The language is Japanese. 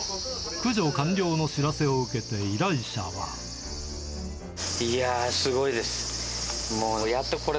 駆除完了の知らせを受けて、依頼者は。いやー、すごいです。